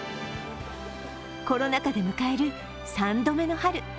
コロナ禍で迎える３度目の春。